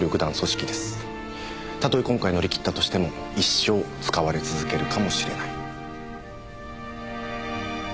たとえ今回乗り切ったとしても一生使われ続けるかもしれない。